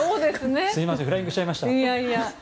すみませんフライングしちゃいました。